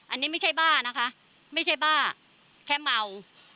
อันนี้ไม่ใช่บ้านะคะไม่ใช่บ้าแค่เมา